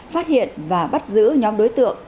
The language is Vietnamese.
phát hiện và bắt giữ nhóm đối tượng